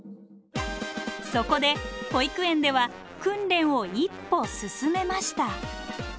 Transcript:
そこで保育園では訓練を一歩進めました。